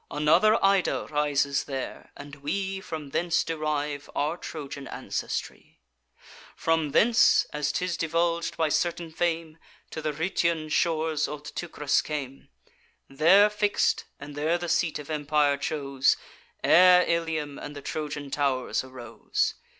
Another Ida rises there, and we From thence derive our Trojan ancestry. From thence, as 'tis divulg'd by certain fame, To the Rhoetean shores old Teucrus came; There fix'd, and there the seat of empire chose, Ere Ilium and the Trojan tow'rs arose.